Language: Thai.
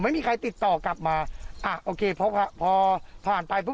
ไม่มีใครติดต่อกลับมาอ่ะโอเคพอพอผ่านไปปุ๊